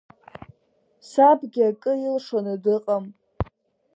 Сабгьы акы илшоны дыҟам.